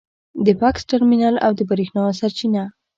د بکس ترمینل او د برېښنا سرچینه